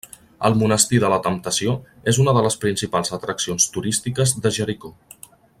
El Monestir de la Temptació és una de les principals atraccions turístiques de Jericó.